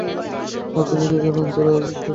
আর তুমি তো জানই, অন্তরায় হচ্ছে অর্থাভাব।